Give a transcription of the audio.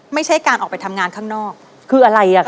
ไม่ใช่การออกไปทำงานข้างนอกคืออะไรอ่ะ